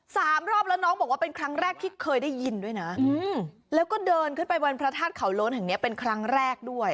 สามรอบแล้วน้องบอกว่าเป็นครั้งแรกที่เคยได้ยินด้วยนะอืมแล้วก็เดินขึ้นไปบนพระธาตุเขาโล้นแห่งเนี้ยเป็นครั้งแรกด้วย